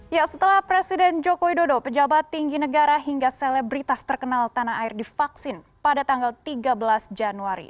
ya setelah presiden joko widodo pejabat tinggi negara hingga selebritas terkenal tanah air divaksin pada tanggal tiga belas januari